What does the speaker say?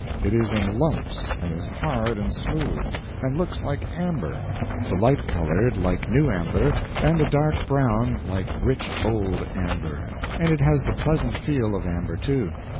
It is in lumps, and is hard and smooth, and looks like amber the light colored like new amber, and the dark brown like rich old amber. And it has the pleasant feel of amber, too.